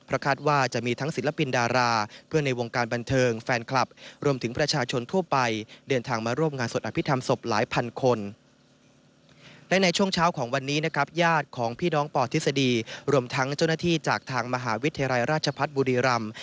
รวมทั้งเจ้าหน้าที่จากทางมหาวิทย์ไทยรายราชภัฐบุรีรำ